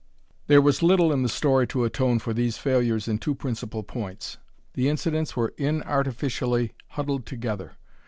There was little in the story to atone for these failures in two principal points. The incidents were inartificially huddled together.